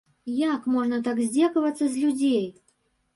Як можна так здзекавацца з людзей?